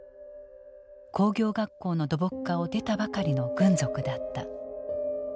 工業学校の土木科を出たばかりの軍属だった。